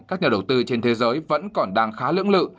các nhà đầu tư trên thế giới vẫn còn đang khá lưỡng lự